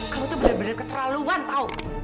kamu tuh bener bener keterlaluan tau